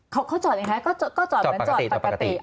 เขาจอดยังไงคะก็จอดเหมือนจอดปกติ